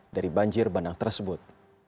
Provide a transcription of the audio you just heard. dari banjir bandang tersebut